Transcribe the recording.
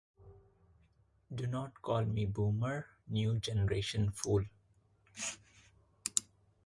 Do not call me boomer, new generation fool!